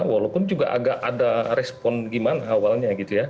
walaupun juga agak ada respon gimana awalnya gitu ya